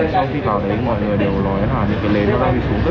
sau khi vào đấy mọi người đều nói hẳn những lời đưa ra đi xuống rất là nhiều